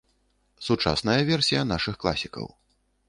Сучасная версія нашых класікаў.